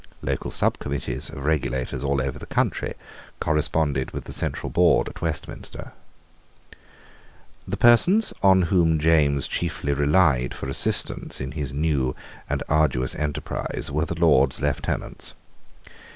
Local subcommittees of regulators all over the country corresponded with the central board at Westminster. The persons on whom James chiefly relied for assistance in his new and arduous enterprise were the Lords Lieutenants.